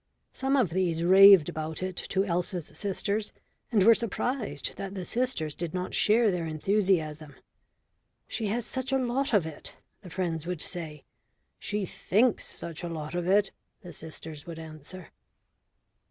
Some of these raved about it to Elsa's sisters, and were surprised that the sisters did not share their enthusiasm. "She has such a lot of it," the friends would say. "She thinks such a lot of it," the sisters would answer.